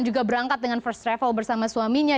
juga berangkat dengan first travel bersama suaminya